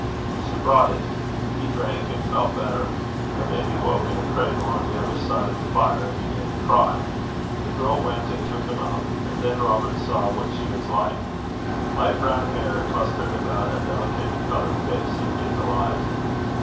She brought it. He drank, and felt better. A baby woke in a cradle on the other side of the fire, and began to cry. The girl went and took him up; and then Robert saw what she was like. Light brown hair clustered about a delicately coloured face and hazel eyes.